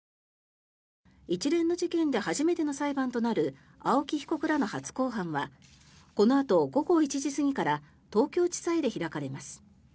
一連の事件で初めての裁判となる青木被告らの初公判はこのあと午後１時過ぎから東京地裁で開かれます。